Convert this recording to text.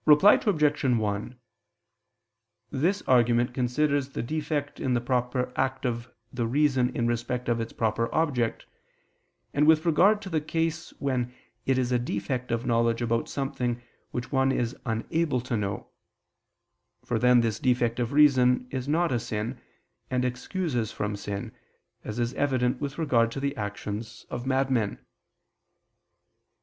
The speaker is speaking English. Reply Obj. 1: This argument considers the defect in the proper act of the reason in respect of its proper object, and with regard to the case when it is a defect of knowledge about something which one is unable to know: for then this defect of reason is not a sin, and excuses from sin, as is evident with regard to the actions of madmen.